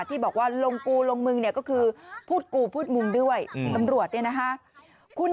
ที่บอกว่าลงกูลงมึงพูดกูพูดมุมด้วย